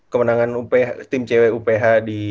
kemenangan tim cewek uph